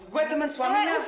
gue teman suaminya